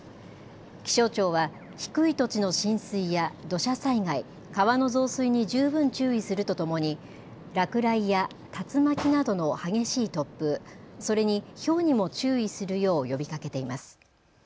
気象庁は低い土地の浸水や土砂災害、川の増水に十分注意するとともに落雷や竜巻などの激しい突風、それにひょうにも注意するよう呼びかけています。